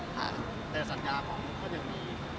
แต่สัญญาผมก็ยังมี